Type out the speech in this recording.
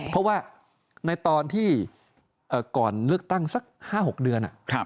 เพราะว่าในตอนที่ก่อนเลือกตั้งสัก๕๖เดือน